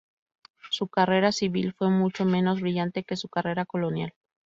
Su carrera civil fue mucho menos brillante que su carrera colonial.